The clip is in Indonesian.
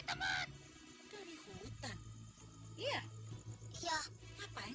aku tidak punya teman